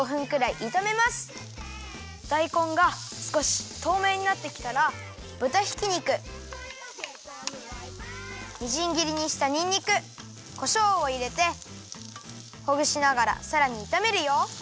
だいこんがすこしとうめいになってきたらぶたひき肉みじんぎりにしたにんにくこしょうをいれてほぐしながらさらにいためるよ。